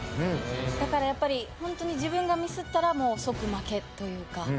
だからやっぱりホントに自分がミスったら即負けというか。